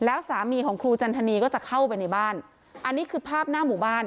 แล้วสามีของครูจันทนีก็จะเข้าไปในบ้านอันนี้คือภาพหน้าหมู่บ้าน